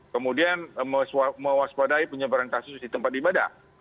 kemudian mewaspadai penyebaran kasus di tempat ibadah